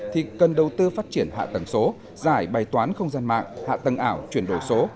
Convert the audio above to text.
thì cần đầu tư phát triển hạ tầng số giải bài toán không gian mạng hạ tầng ảo chuyển đổi số